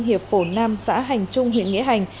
hiệp phổ nam xã hành trung huyện nghĩa hành